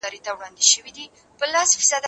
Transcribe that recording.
شګه پاکه کړه؟